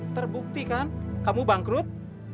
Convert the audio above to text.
terbukti kan kamu bangkrut